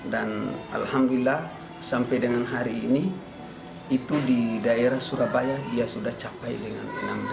dan alhamdulillah sampai dengan hari ini itu di daerah surabaya dia sudah capai dengan enam dua ratus